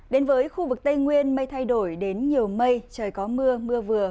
đến với khu vực tây nguyên mây thay đổi đến nhiều mây trời có mưa mưa vừa